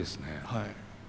はい。